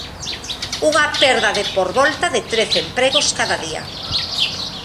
Unha perda de por volta de trece empregos cada día.